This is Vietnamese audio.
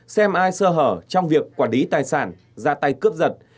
xem ai sơ hở trong việc quản lý tài sản ra tay cướp giật